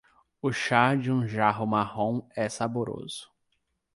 O chá de um jarro marrom é saboroso.